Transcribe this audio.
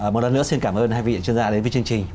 một lần nữa xin cảm ơn hai vị chuyên gia đến với chương trình